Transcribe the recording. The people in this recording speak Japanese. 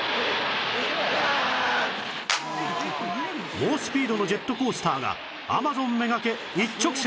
猛スピードのジェットコースターがアマゾン目がけ一直線！